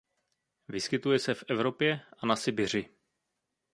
Vyskytuje se v Evropě a na Sibiři.